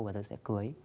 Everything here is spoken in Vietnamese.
và tôi sẽ cưới